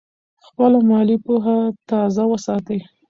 خپله مالي پوهه تازه وساتئ.